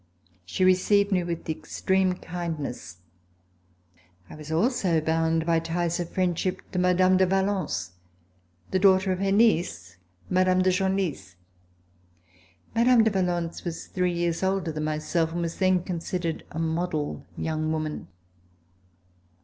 She received me with extreme kindness. I was also bound by ties of friendship to Mme. de Valence, the daughter of her niece, Mme. de Genlis. Mme. de Valence was three years older than myself and was then considered a model young woman.